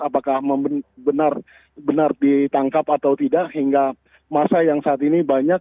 apakah benar benar ditangkap atau tidak hingga masa yang saat ini banyak